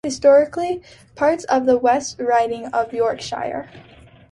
Historically part of the West Riding of Yorkshire.